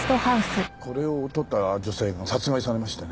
これを撮った女性が殺害されましてね。